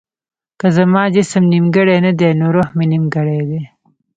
که زما جسم نيمګړی نه دی نو روح مې نيمګړی دی.